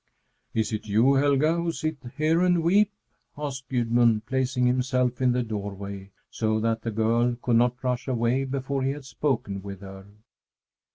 "Is it you, Helga, who sit here and weep?" asked Gudmund, placing himself in the doorway so that the girl could not rush away before he had spoken with her.